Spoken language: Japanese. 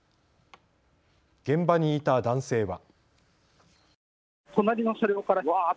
現場にいた男性は。